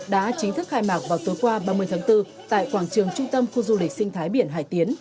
đã chính thức khai mạc vào tối qua ba mươi tháng bốn tại quảng trường trung tâm khu du lịch sinh thái biển hải tiến